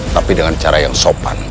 tapi dengan cara yang sopan